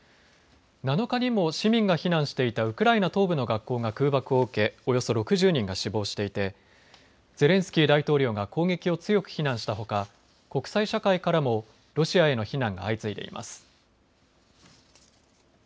７日にも市民が避難していたウクライナ東部の学校が空爆を受けおよそ６０人が死亡していてゼレンスキー大統領が攻撃を強く非難したほか国際社会からもロシアへの非難が相次いでいます。